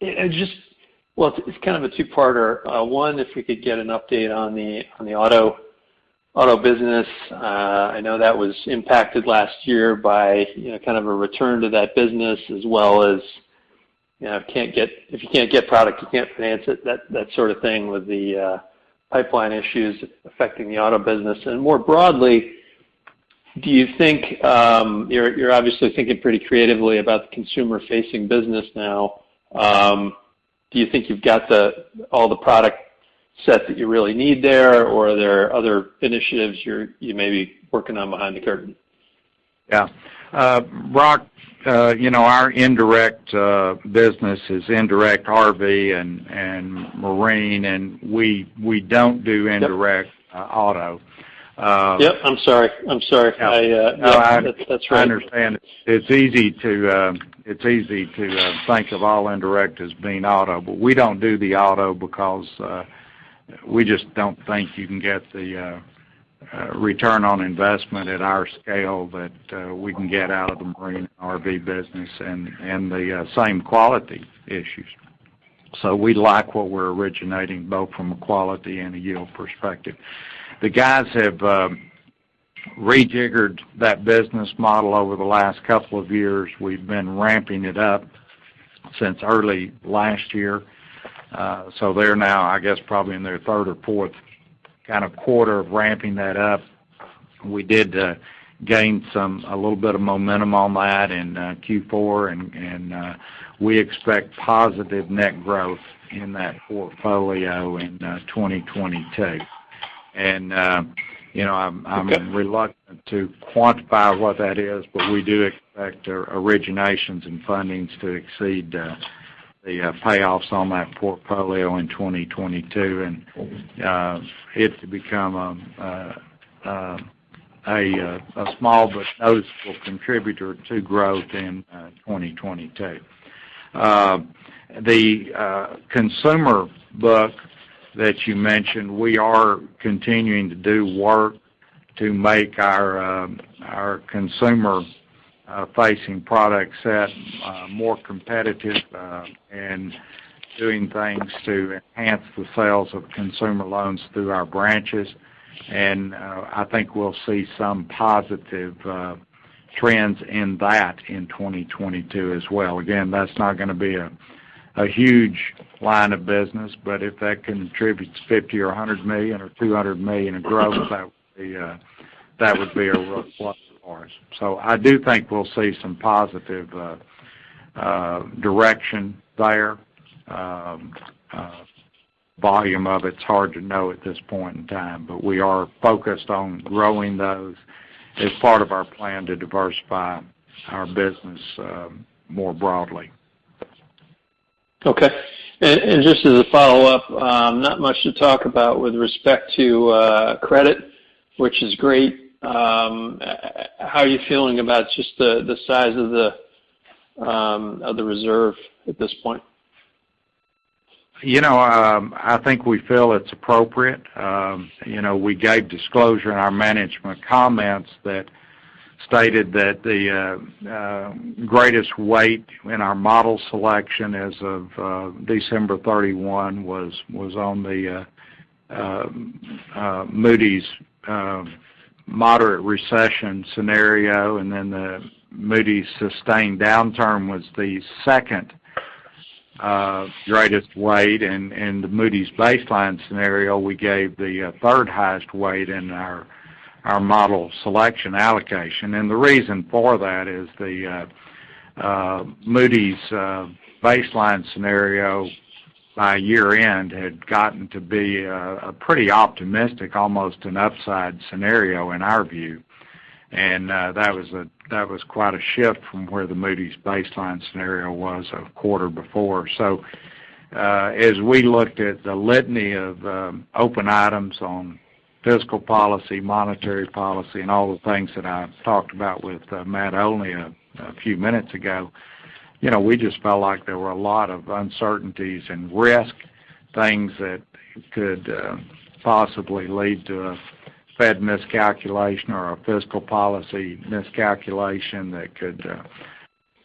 It's kind of a two-parter. One, if we could get an update on the auto business. I know that was impacted last year by, you know, kind of a return to that business as well as, you know, if you can't get product, you can't finance it, that sort of thing with the pipeline issues affecting the auto business. More broadly, do you think you're obviously thinking pretty creatively about the consumer-facing business now. Do you think you've got all the product set that you really need there, or are there other initiatives you may be working on behind the curtain? Yeah. Brock, you know, our indirect business is indirect RV and marine, and we don't do indirect- Yep. -auto. Um- Yep, I'm sorry. I No, I- That's right. I understand. It's easy to think of all indirect as being auto. We don't do the auto because we just don't think you can get the return on investment at our scale that we can get out of the marine and RV business and the same quality issues. We like what we're originating, both from a quality and a yield perspective. The guys have rejiggered that business model over the last couple of years. We've been ramping it up since early last year. They're now, I guess, probably in their Q3 or Q4 kind of quarter of ramping that up. We did gain some, a little bit of momentum on that in Q4, and we expect positive net growth in that portfolio in 2022. You know, I'm- Okay. I'm reluctant to quantify what that is, but we do expect our originations and fundings to exceed the payoffs on that portfolio in 2022. It's become a small but noticeable contributor to growth in 2022. The consumer book that you mentioned, we are continuing to do work to make our consumer facing product set more competitive and doing things to enhance the sales of consumer loans through our branches. I think we'll see some positive trends in that in 2022 as well. Again, that's not gonna be a huge line of business, but if that contributes $50 million or $100 million or $200 million in growth, that would be a real plus for us. I do think we'll see some positive direction there. Volume of it's hard to know at this point in time, but we are focused on growing those as part of our plan to diversify our business more broadly. Okay. Just as a follow-up, not much to talk about with respect to credit, which is great. How are you feeling about just the size of the reserve at this point? You know, I think we feel it's appropriate. You know, we gave disclosure in our management comments that stated that the greatest weight in our model selection as of December 31st was on the Moody's moderate recession scenario, and then the Moody's sustained downturn was the 2nd greatest weight. The Moody's baseline scenario, we gave the 3rd highest weight in our model selection allocation. The reason for that is the Moody's baseline scenario by year-end had gotten to be a pretty optimistic, almost an upside scenario in our view. That was quite a shift from where the Moody's baseline scenario was a quarter before. As we looked at the litany of open items on fiscal policy, monetary policy, and all the things that I talked about with Matt only a few minutes ago, you know, we just felt like there were a lot of uncertainties and risk, things that could possibly lead to a Fed miscalculation or a fiscal policy miscalculation that could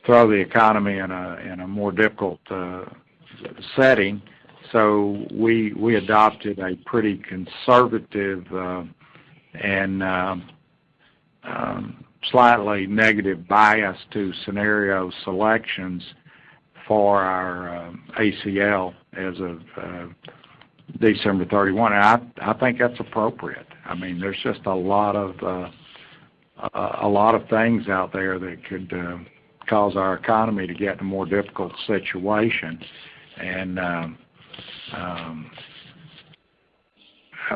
throw the economy in a more difficult setting. We adopted a pretty conservative and slightly negative bias to scenario selections for our ACL as of December 31. I think that's appropriate. I mean, there's just a lot of things out there that could cause our economy to get in more difficult situations.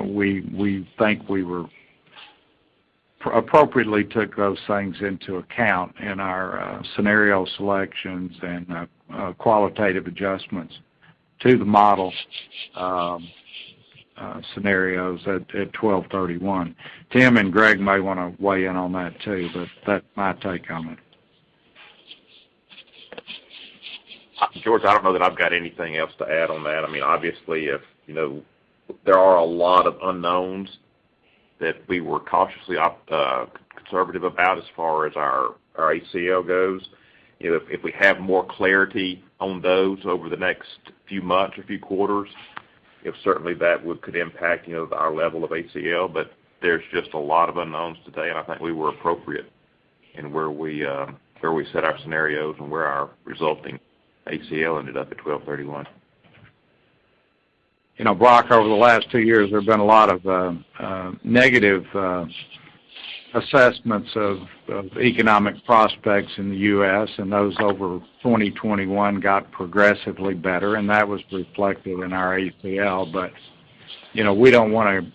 We think we appropriately took those things into account in our scenario selections and qualitative adjustments to the model scenarios at 12/31. Tim and Greg may wanna weigh in on that too, but that's my take on it. George, I don't know that I've got anything else to add on that. I mean, obviously, you know, there are a lot of unknowns that we were cautiously conservative about as far as our ACL goes. You know, if we have more clarity on those over the next few months or few quarters, that certainly could impact, you know, our level of ACL. There's just a lot of unknowns today, and I think we were appropriate in where we set our scenarios and where our resulting ACL ended up at 12/31. You know, Brock, over the last two years, there have been a lot of negative assessments of economic prospects in the U.S., and those over 2021 got progressively better, and that was reflective in our ACL. You know, we don't wanna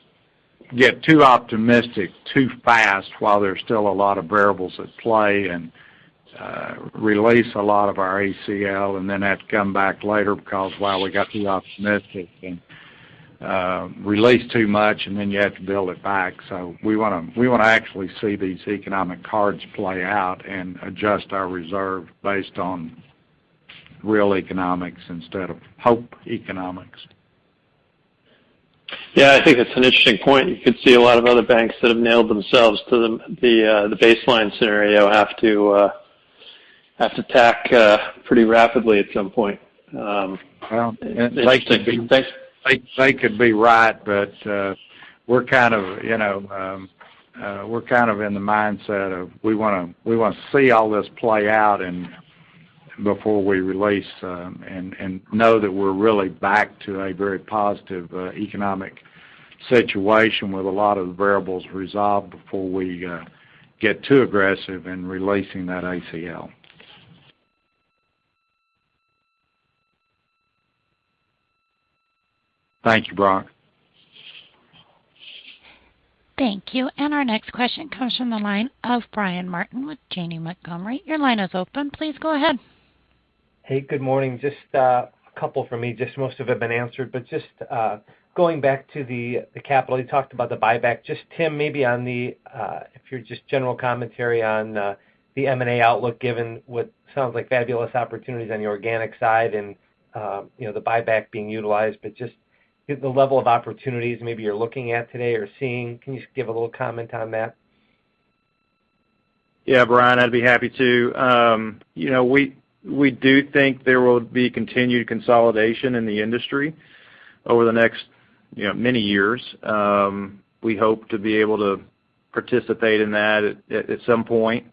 get too optimistic too fast while there's still a lot of variables at play and release a lot of our ACL and then have to come back later because while we got too optimistic and release too much, and then you have to build it back. We wanna actually see these economic cards play out and adjust our reserve based on real economics instead of hope economics. Yeah, I think it's an interesting point. You could see a lot of other banks that have nailed themselves to the baseline scenario have to tack pretty rapidly at some point. Well, they could be right, but we're kind of you know in the mindset of we wanna see all this play out and before we release and know that we're really back to a very positive economic situation where a lot of the variables resolve before we get too aggressive in releasing that ACL. Thank you, Brock. Thank you. Our next question comes from the line of Brian Martin with Janney Montgomery. Your line is open. Please go ahead. Hey, good morning. Just a couple from me, just most of it been answered, but just going back to the capital, you talked about the buyback. Just Tim, maybe if you could just give general commentary on the M&A outlook, given what sounds like fabulous opportunities on the organic side and you know, the buyback being utilized, but just the level of opportunities maybe you're looking at today or seeing. Can you just give a little comment on that? Yeah, Brian, I'd be happy to. You know, we do think there will be continued consolidation in the industry over the next, you know, many years. We hope to be able to participate in that at some point.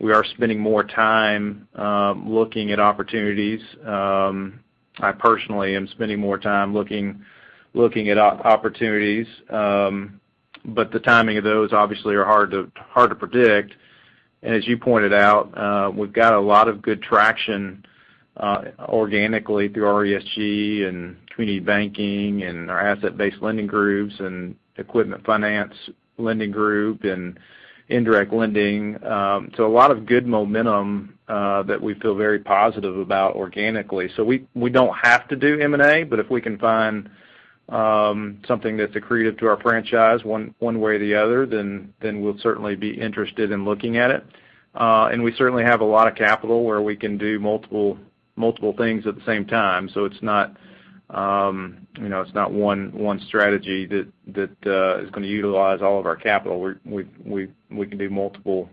We are spending more time looking at opportunities. I personally am spending more time looking at opportunities, but the timing of those obviously are hard to predict. As you pointed out, we've got a lot of good traction organically through RESG and community banking and our asset-based lending groups and equipment finance lending group and indirect lending. So a lot of good momentum that we feel very positive about organically. We don't have to do M&A, but if we can find something that's accretive to our franchise one way or the other, then we'll certainly be interested in looking at it. We certainly have a lot of capital where we can do multiple things at the same time. It's not, you know, it's not one strategy that is going to utilize all of our capital. We can do multiple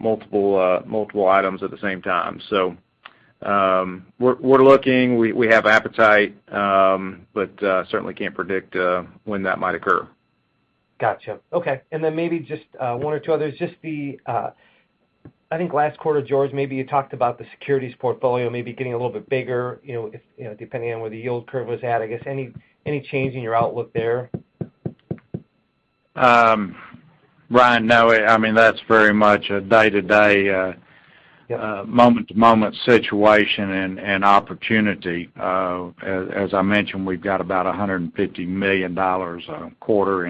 items at the same time. We're looking, we have appetite, but certainly can't predict when that might occur. Gotcha. Okay. Maybe just one or two others. Just the, I think last quarter, George, maybe you talked about the securities portfolio maybe getting a little bit bigger, you know, if, you know, depending on where the yield curve was at. I guess, any change in your outlook there? Brian, no. I mean, that's very much a day-to-day. Yeah It's a moment-to-moment situation and opportunity. As I mentioned, we've got about $150 million a quarter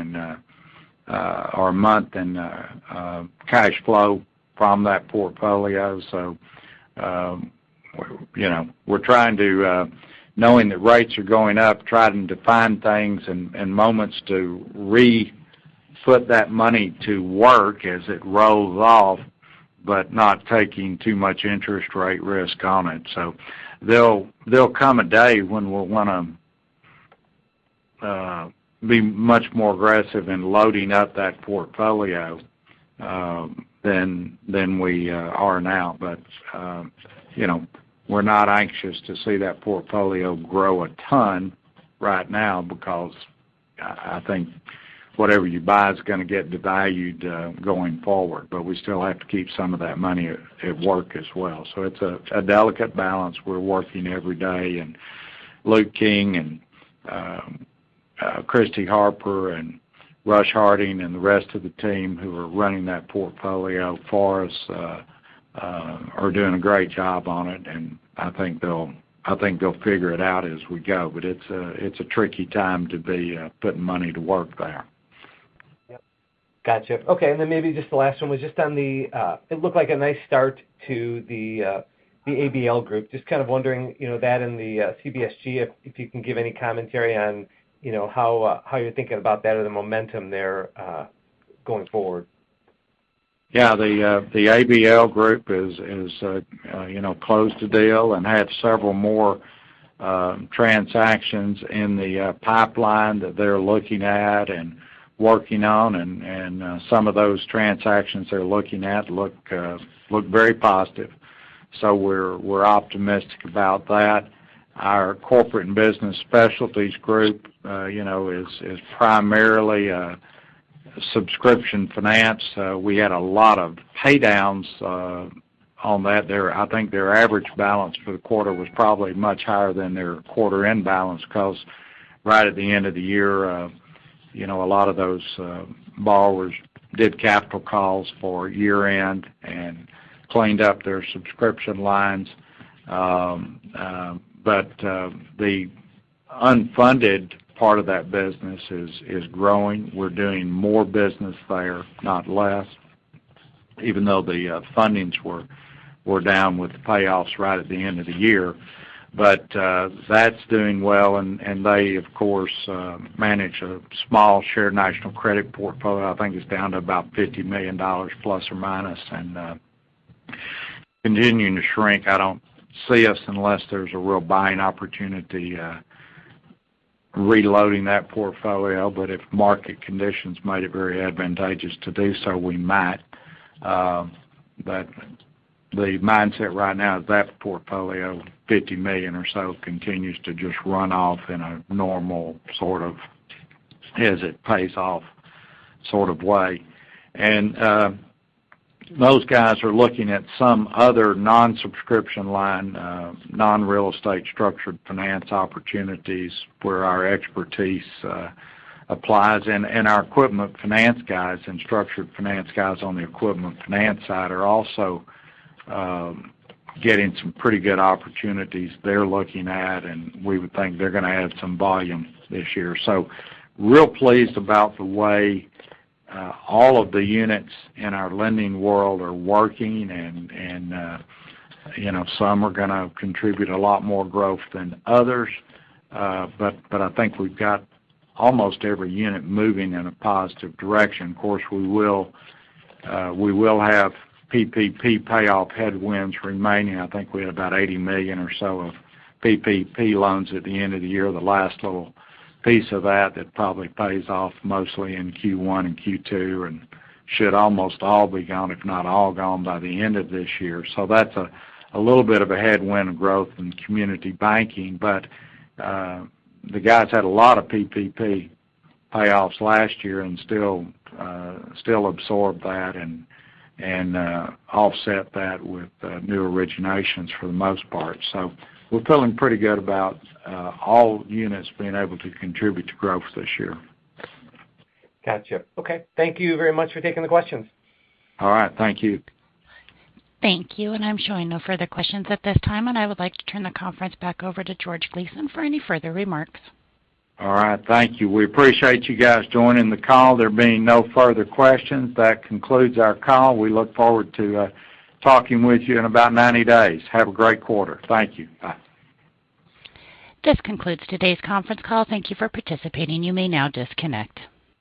or a month in cash flow from that portfolio. You know, we're trying to, knowing that rates are going up, trying to find things and moments to re-foot that money to work as it rolls off, but not taking too much interest rate risk on it. There'll come a day when we'll wanna be much more aggressive in loading up that portfolio than we are now. You know, we're not anxious to see that portfolio grow a ton right now because I think whatever you buy is going to get devalued going forward. We still have to keep some of that money at work as well. It's a delicate balance we're working every day. Luke King and Christie Harper and Rush Harding and the rest of the team who are running that portfolio for us are doing a great job on it, and I think they'll figure it out as we go. It's a tricky time to be putting money to work there. Yep. Gotcha. Okay. Then maybe just the last one was just on the ABL group. It looked like a nice start to the ABL group. Just kind of wondering, you know, that and the CBSG, if you can give any commentary on, you know, how you're thinking about that or the momentum there, going forward. Yeah. The ABL group is, you know, closed the deal and had several more transactions in the pipeline that they're looking at and working on. Some of those transactions they're looking at look very positive. We're optimistic about that. Our Corporate and Business Specialties Group, you know, is primarily subscription finance. We had a lot of pay downs on that there. I think their average balance for the quarter was probably much higher than their quarter-end balance because right at the end of the year, you know, a lot of those borrowers did capital calls for year-end and cleaned up their subscription lines. The unfunded part of that business is growing. We're doing more business there, not less, even though the fundings were down with the payoffs right at the end of the year. That's doing well. They, of course, manage a small shared national credit portfolio. I think it's down to about $50 million ± and continuing to shrink. I don't see us unless there's a real buying opportunity reloading that portfolio. If market conditions made it very advantageous to do so, we might. The mindset right now is that portfolio, $50 million or so continues to just run off in a normal sort of as it pays off sort of way. Those guys are looking at some other non-subscription line non-real estate structured finance opportunities where our expertise applies. Our equipment finance guys and structured finance guys on the equipment finance side are also getting some pretty good opportunities they're looking at, and we would think they're going to add some volume this year. Real pleased about the way all of the units in our lending world are working and you know, going to contribute a lot more growth than others. I think we've got almost every unit moving in a positive direction. Of course, we will have PPP payoff headwinds remaining. I think we had about $80 million or so of PPP loans at the end of the year. The last little piece of that that probably pays off mostly in Q1 and Q2 and should almost all be gone, if not all gone, by the end of this year. That's a little bit of a headwind of growth in community banking. The guys had a lot of PPP payoffs last year and still absorbed that and offset that with new originations for the most part. We're feeling pretty good about all units being able to contribute to growth this year. Gotcha. Okay. Thank you very much for taking the questions. All right. Thank you. Thank you. I'm showing no further questions at this time, and I would like to turn the conference back over to George Gleason for any further remarks. All right. Thank you. We appreciate you guys joining the call. There being no further questions, that concludes our call. We look forward to talking with you in about 90 days. Have a great quarter. Thank you. Bye. This concludes today's conference call. Thank you for participating. You may now disconnect.